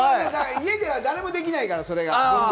家では誰もできないから、それが。